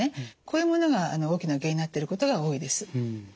こういうものが大きな原因になってることが多いです。